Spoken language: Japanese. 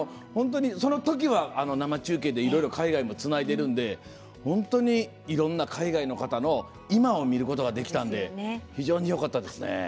本当のそのときは生中継でいろいろ海外につないでるんで本当にいろんな海外の方の今を見ることができたので非常によかったですね。